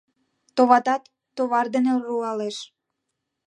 Товатат, товар дене руалеш...